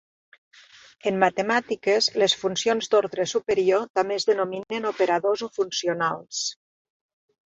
En matemàtiques, les funcions d'ordre superior també es denominen "operadors" o "funcionals".